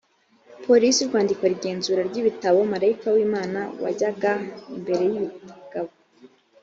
polisi y u rwanda ikora igenzura ry ibitabo marayika w imana wajyaga imbere y ingabo